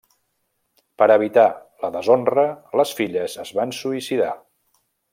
Per evitar la deshonra les filles es van suïcidar.